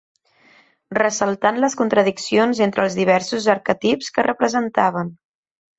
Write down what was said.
Ressaltant les contradiccions entre els diversos arquetips que representaven.